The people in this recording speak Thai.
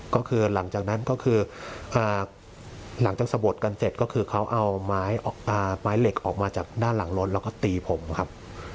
ก็คือหลังจากนั้นก็คือหลังจากสะบดกันเสร็จก็คือเขาเอาไม้เหล็กออกมาจากด้านหลังรถแล้วก็ตีผมครับ